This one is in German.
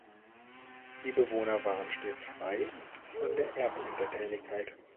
Die Bewohner waren stets frei von der Erbuntertänigkeit.